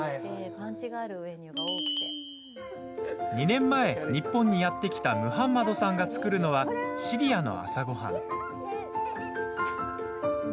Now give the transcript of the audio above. ２年前、日本にやって来たムハンマドさんが作るのはシリアの朝ごはん。